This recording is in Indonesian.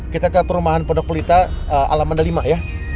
kita ke perumahan pendok pelita alam mandali ma ya